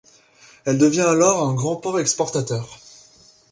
Elle devient alors un grand port exportateur.